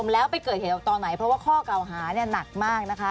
แล้วไปเกิดเหตุตอนไหนเพราะว่าข้อเก่าหาเนี่ยหนักมากนะคะ